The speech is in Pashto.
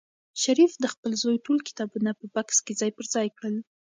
شریف د خپل زوی ټول کتابونه په بکس کې ځای پر ځای کړل.